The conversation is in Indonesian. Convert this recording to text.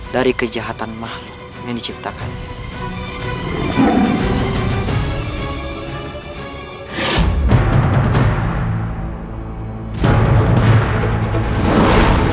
dari kejahatan mah yang diciptakannya